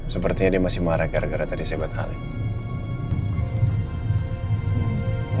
sepertinya dia masih marah gara gara tadi saya batalin